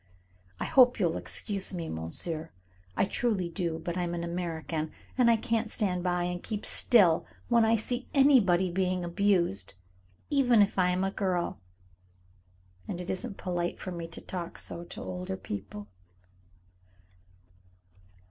I hope you'll excuse me, monsieur, I truly do, but I'm an American, and I can't stand by and keep still when I see anybody being abused, even if I am a girl, and it isn't polite for me to talk so to older people."